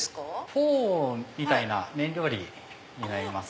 フォーみたいな麺料理になります。